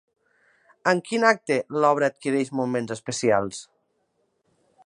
En quin acte l'obra adquireix moments especials?